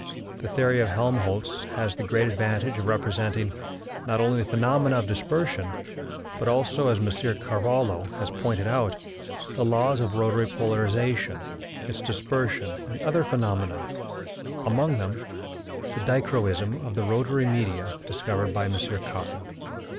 The theory of Helmholtz has the great advantage of representing, not only the phenomena of dispersion, but also, as M. Carvallo has pointed out, the laws of rotatory polarization, its dispersion and other phenomena, among them the dichroism of the rotatory media discovered by M. Cotton.